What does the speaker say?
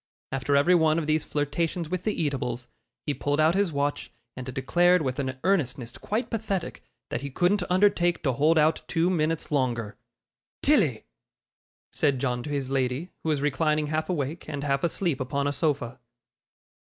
After every one of these flirtations with the eatables, he pulled out his watch, and declared with an earnestness quite pathetic that he couldn't undertake to hold out two minutes longer. 'Tilly!' said John to his lady, who was reclining half awake and half asleep upon a sofa.